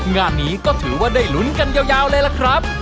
งานนี้ก็ถือว่าได้ลุ้นกันยาวเลยล่ะครับ